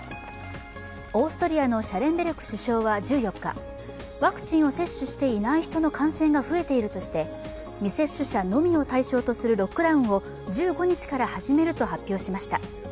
オーストリアのシャレンベルク首相は１４日、ワクチンを接種していない人の感染が増えているとして未接種者のみを対象とするロックダウンを１５日から始めると発表しました。